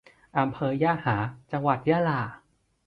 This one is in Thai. อำเภอยะหา จังหวัดยะลา